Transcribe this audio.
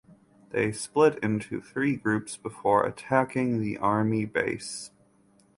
They split into three groups before attacking the army base.